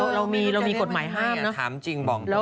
เรามีกฎหมายห้ามเนอะ